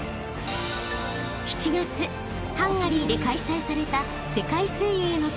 ［７月ハンガリーで開催された世界水泳の飛込から］